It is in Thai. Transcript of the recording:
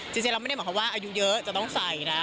จริงแล้วไม่ได้บอกว่าอายุเยอะจะต้องใส่นะ